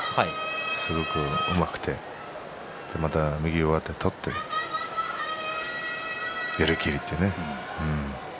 すごくうまくて、右上手を取って寄り切りというね。